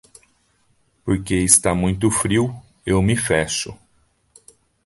Porque está muito frio, eu me fecho.